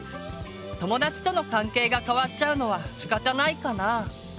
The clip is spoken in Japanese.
友達との関係が変わっちゃうのはしかたないかな？